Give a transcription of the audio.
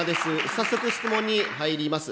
早速、質問に入ります。